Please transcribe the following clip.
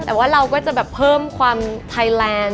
แต่ว่าเราก็จะแบบเพิ่มความไทยแลนด์